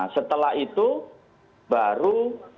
setelah itu baru